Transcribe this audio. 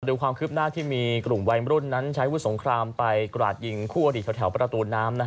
ดูความคืบหน้าที่มีกลุ่มวัยรุ่นนั้นใช้วุฒิสงครามไปกราดยิงคู่อดีตแถวประตูน้ำ